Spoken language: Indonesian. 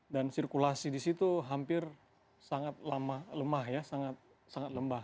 dan sirkulasi di situ hampir sangat lemah ya